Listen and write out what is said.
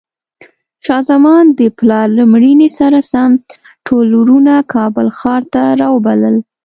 شاه زمان د پلار له مړینې سره سم ټول وروڼه کابل ښار ته راوبلل.